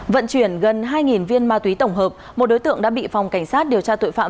vận chuyển gần hai viên ma túy tổng hợp một đối tượng đã bị phòng cảnh sát điều tra tội phạm